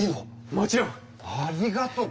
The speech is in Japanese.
もちろん！ありがとう！